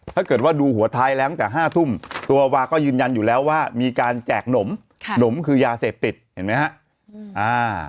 ถ้าเกิดว่าดูหัวท้ายแล้วตั้งแต่๕ทุ่มตัววาก็ยืนยันอยู่แล้วว่ามีการแจกหนมหนมคือยาเสพติดเห็นไหมฮะ